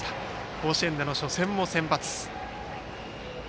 甲子園での初戦も先発。